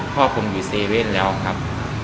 พ่อผมอยู่เซเว่นแล้วครับ